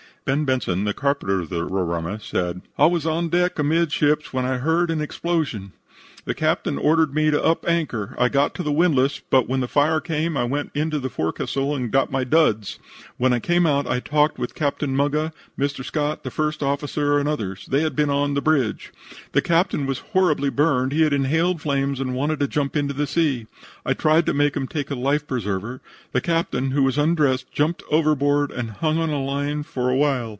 "Ben" Benson, the carpenter of the Roraima, said: "I was on deck, amidships, when I heard an explosion. The captain ordered me to up anchor. I got to the windlass, but when the fire came I went into the forecastle and got my 'duds.' When I came out I talked with Captain Muggah, Mr. Scott, the first officer and others. They had been on the bridge. The captain was horribly burned. He had inhaled flames and wanted to jump into the sea. I tried to make him take a life preserver. The captain, who was undressed, jumped overboard and hung on to a line for a while.